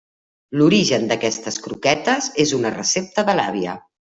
L'origen d'aquestes croquetes és una recepta de l'àvia.